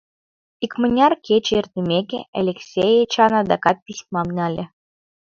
Икмыняр кече эртымеке, Элексей Эчан адакат письмам нале.